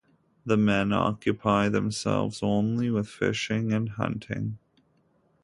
The men occupy themselves only with fishing and hunting.